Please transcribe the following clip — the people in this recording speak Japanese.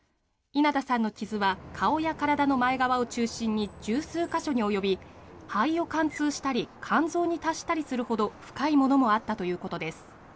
稲田さんの傷は顔や体の前側を中心に１０数か所に及び肺を貫通したり肝臓に達したりするほど深いものもあったということです。